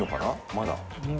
まだ。